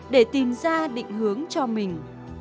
để tìm ra định hướng cho mình